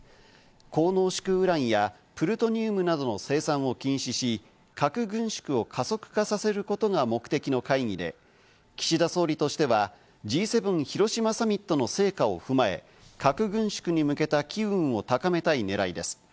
高濃縮ウランやプルトニウムなどの生産を禁止し、核軍縮を加速化させることが目的の会議で岸田総理としてはＧ７広島サミットの成果を踏まえ、核軍縮に向けた機運を高めたい狙いです。